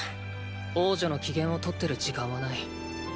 王女の機嫌を取ってる時間はない。